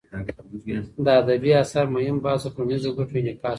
د ادبي اثر مهم بحث د ټولنیزو ګټو انعکاس دی.